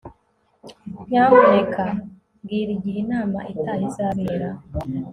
nyamuneka mbwira igihe inama itaha izabera